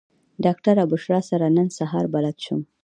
ډاکټره بشرا سره نن سهار بلد شوم.